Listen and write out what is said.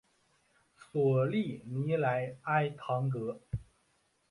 索利尼莱埃唐格。